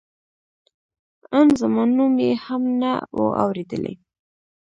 ان زما نوم یې هم نه و اورېدلی.